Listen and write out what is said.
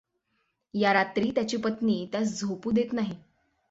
या रात्री त्याची पत्नी त्यास झोपू देत नाही.